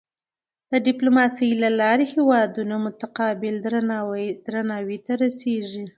د ډیپلوماسۍ له لارې هېوادونه متقابل درناوي ته رسيږي.